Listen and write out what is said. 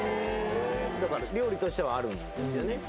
だから料理としてはあるんですよね